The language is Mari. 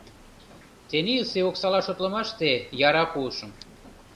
Тенийысе оксала шотлымаште, яра пуышым.